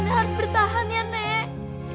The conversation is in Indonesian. ini harus bertahan ya nek